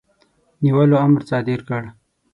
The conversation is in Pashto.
نیولو امر صادر کړ.